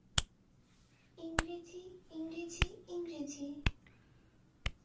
ইংরেজি, ইংরেজি, ইংরেজি।